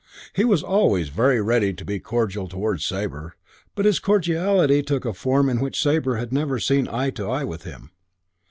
He was always very ready to be cordial towards Sabre; but his cordiality took a form in which Sabre had never seen eye to eye with him.